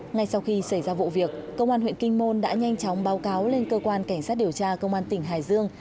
ngay sau khi xảy ra vụ việc công an huyện kinh môn đã nhanh chóng báo cáo lên cơ quan cảnh sát điều tra công an tỉnh hải dương